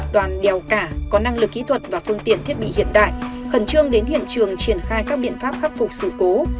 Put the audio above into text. đoàn đèo cả có năng lực kỹ thuật và phương tiện thiết bị hiện đại khẩn trương đến hiện trường triển khai các biện pháp khắc phục sự cố